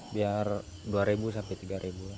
biar rp dua sampai rp tiga